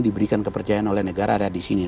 diberikan kepercayaan oleh negara ada disini